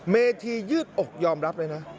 เมธียืดอกยอมรับเลยนะ